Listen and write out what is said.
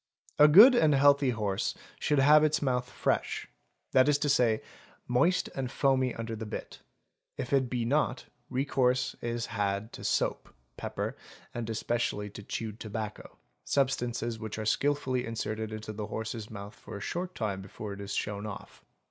$ A good and healthy horse should have its mouth "fresh," that is to i say, moist and foamy under the bit; if it be not, recourse is had to soap, _ pepper, and especially to chewed tobacco, substances which are skilfully it inserted into the horse's mouth for a short time before it is shown off.